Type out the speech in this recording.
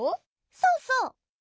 そうそう！